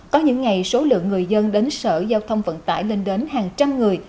có những ngày số lượng người dân đến sở giao thông vận tải lên đến hàng trăm người